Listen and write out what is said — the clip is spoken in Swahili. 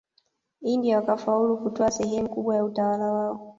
India wakafaulu kutwaa sehemu kubwa ya utawala wao